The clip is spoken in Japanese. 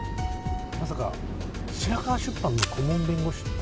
まさか白河出版の顧問弁護士って。